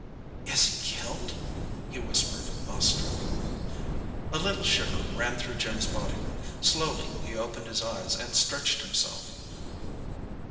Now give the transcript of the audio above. "Is he killed?" he whispered, awestruck. A little shiver ran through Jim's body. Slowly he opened his eyes, and stretched himself.